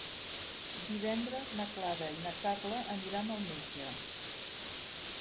Divendres na Clara i na Carla aniran al metge.